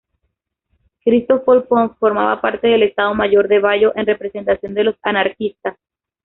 Cristòfol Pons formaba parte del Estado Mayor de Bayo, en representación de los anarquistas.